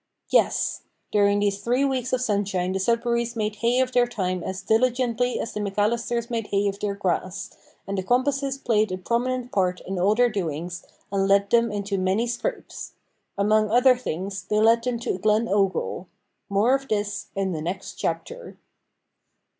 Yes! during these three weeks of sunshine the Sudberrys made hay of their time as diligently as the McAllisters made hay of their grass, and the compasses played a prominent part in all their doings, and led them into many scrapes. Among other things, they led them to Glen Ogle. More of this in the next chapter.